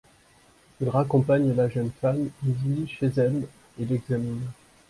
Il raccompagne la jeune femme, Ivy, chez elle, et l'examine.